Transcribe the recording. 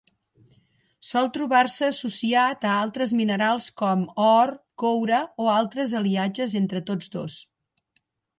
Sol trobar-se associat a altres minerals com: or, coure o altres aliatges entre tots dos.